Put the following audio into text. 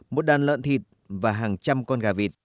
con lợn thịt và hàng trăm con gà vịt